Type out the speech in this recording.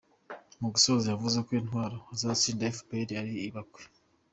Mu gusoza yavuze ko intwaro izatsinda Fpr ari ibakwe.